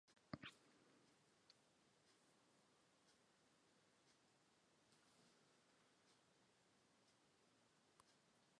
Mae angen corbys byr o bŵer uchel ar radar.